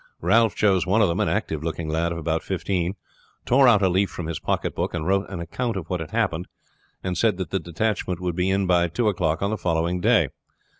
Ralph chose one of them, an active looking lad of about fifteen, tore out a leaf from his pocketbook, and wrote an account of what had happened, and said that the detachment would be in by two o'clock on the following day.